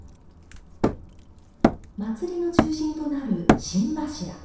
祭りの中心となる、芯柱。